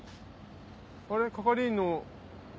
あれ係員の。